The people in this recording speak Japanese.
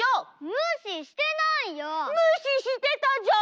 むししてないよ！